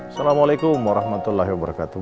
assalamualaikum warahmatullahi wabarakatuh